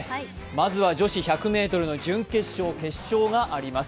まずは女子１００ｍの準決勝、決勝があります。